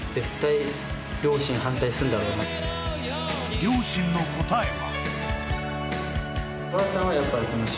両親の答えは。